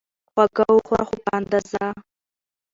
خواږه وخوره، خو په اندازه